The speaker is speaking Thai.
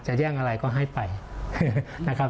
แย่งอะไรก็ให้ไปนะครับ